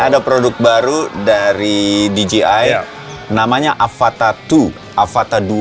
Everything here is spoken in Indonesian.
ada produk baru dari dgi namanya avata dua avata dua